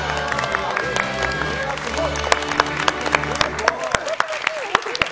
すごい。